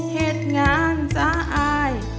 เหตุงานสะอาย